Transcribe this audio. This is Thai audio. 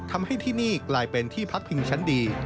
ที่นี่กลายเป็นที่พักพิงชั้นดี